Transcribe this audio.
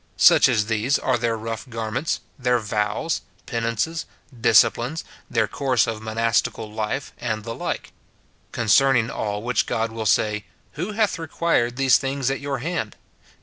Such as these are their rough garments, their vows, penances, disciplines, their coui'se of monastical life, and the like ; concerning all which God will say, " Who hath required these things at your hand?"